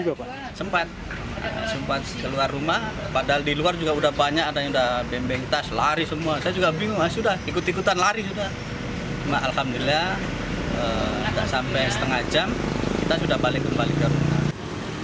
alhamdulillah tidak sampai setengah jam kita sudah balik berbalik ke rumah